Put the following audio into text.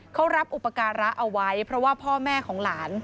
เขารับอุปการะเอาไว้เพราะว่าพ่อแม่ของหลาน